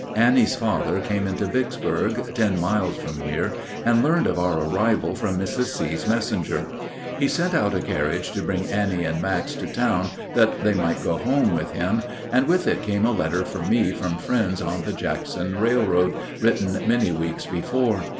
Annie's father came into Vicksburg, ten miles from here, and learned of our arrival from Mrs. C.'s messenger. He sent out a carriage to bring Annie and Max to town that they might go home with him, and with it came a letter for me from friends on the Jackson Railroad, written many weeks before.